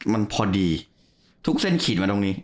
มันพอดีทุกเส้นขีดมาตรงนี้